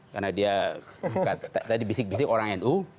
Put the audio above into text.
karena dia tadi bisik bisik orang nu